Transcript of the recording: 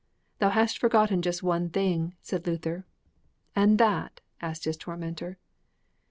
'Thou hast forgotten just one thing!' said Luther. 'And that ?' asked his tormentor.